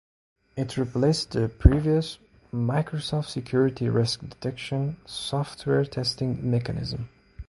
It replaced the previous "Microsoft Security Risk Detection" software testing mechanism.